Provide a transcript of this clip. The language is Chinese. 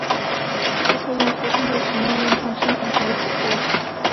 注册用户通过实名认证申请成为主播。